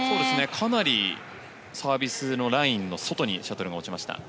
かなりサービスのラインの外にシャトルが落ちました。